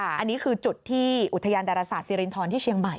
อันนี้คือจุดที่อุทยานดาราศาสซิรินทรที่เชียงใหม่